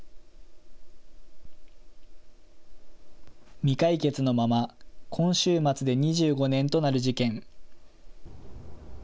未解決のまま今週末で２５年となる事件。